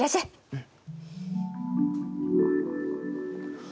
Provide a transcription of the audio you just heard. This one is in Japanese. うん。